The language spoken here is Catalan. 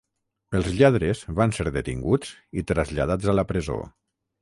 Els lladres van ser detinguts i traslladats a la presó.